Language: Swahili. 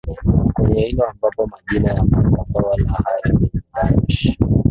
kwenye hilo ambapo majina ya makombora hayo ni danush